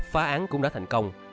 phá án cũng đã thành công